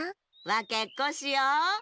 わけっこしよう。